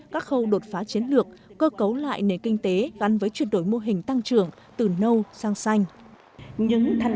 các khâu đột phá chiến lược cơ cấu lại nền kinh tế gắn với chuyển đổi mô hình tăng trưởng từ nâu sang xanh